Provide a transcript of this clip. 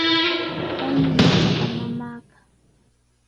Paymi ñuqapa mamaaqa.